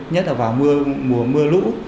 nhất là vào mùa lũ